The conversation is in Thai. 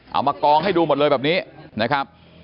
เอามากองให้ดูหมดเลยแบบนี้นะครับ